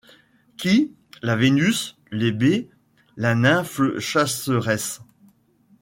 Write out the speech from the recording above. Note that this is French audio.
Qui ? La Vénus, l'Hébé, la nymphe chasseresse.